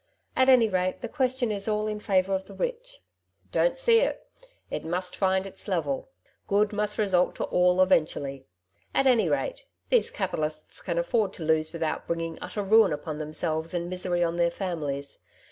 At any rate, the question is all in favour of the rich/' '* Don^t see it ; it must find its level. Good mast result to all eventually. At any rate, these capi talists can afford to lose without bringing utter ruin upon themselves and misery on their families.